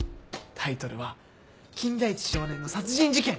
タイトルは『金田一少年の殺人事件』！